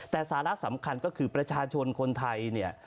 แต่สาระสำคัญก็คือประชาชนคนไทยเนี่ย